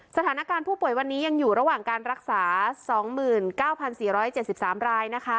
สถานการณ์ผู้ป่วยวันนี้ยังอยู่ระหว่างการรักษา๒๙๔๗๓รายนะคะ